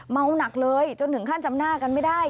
เมาหนักเลยจนถึงขั้นจำหน้ากันไม่ได้